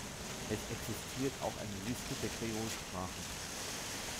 Es existiert auch eine Liste der Kreolsprachen.